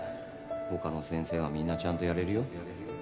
他の先生はみんなちゃんとやれるよ